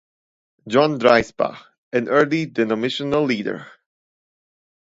John Dreisbach, an early denominational leader.